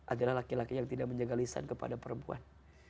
adalah laki laki yang tidak menjaga lisan kepada perempuan